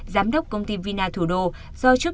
giám đốc công ty vina thủ đô